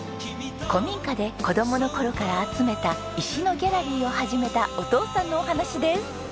古民家で子供の頃から集めた石のギャラリーを始めたお父さんのお話です。